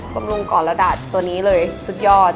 บำรุงก่อนระดับตัวนี้เลยสุดยอด